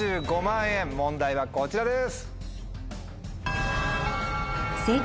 問題はこちらです。